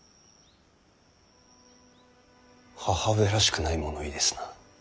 母上らしくない物言いですな。